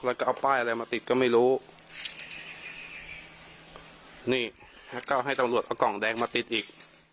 แล้วก็เอาป้ายอะไรมาติดก็ไม่รู้นี่แล้วก็ให้ตำรวจเอากล่องแดงมาติดอีก